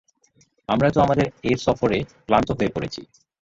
আমরা তো আমাদের এ সফরে ক্লান্ত হয়ে পড়েছি।